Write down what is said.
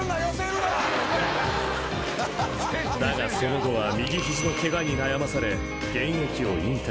［だがその後は右肘のケガに悩まされ現役を引退］